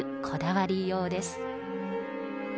こだわりようです。